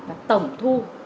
và tổng thu